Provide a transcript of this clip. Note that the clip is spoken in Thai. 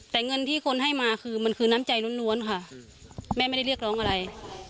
แต่เงินที่คนให้มาคือมันคือน้ำใจล้วนค่ะแม่ไม่ได้เรียกร้องอะไร